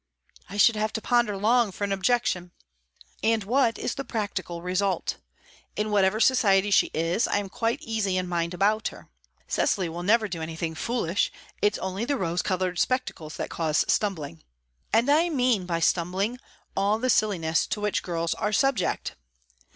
"I should have to ponder long for an objection." "And what is the practical result? In whatever society she is, I am quite easy in mind about her. Cecily will never do anything foolish. It's only the rose coloured spectacles that cause stumbling. And I mean by 'stumbling' all the silliness to which girls are subject.